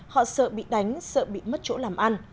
họ sợ bị đánh sợ bị mất chỗ làm ăn